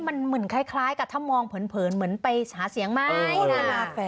มันเหมือนคล้ายกับถ้ามองเผินเหมือนไปหาเสียงไหมน่ารัก